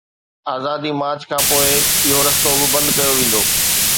آزادي مارچ کانپوءِ اهو رستو به بند ڪيو ويندو.